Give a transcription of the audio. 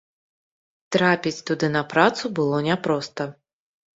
Трапіць туды на працу было няпроста.